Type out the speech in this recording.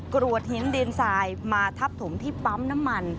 กรวดหินดินทรายมาทับถมที่ปั๊มน้ำมัน